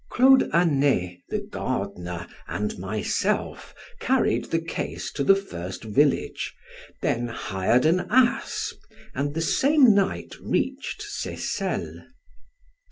Claude Anet, the gardiner, and myself, carried the case to the first village, then hired an ass, and the same night reached Seyssel.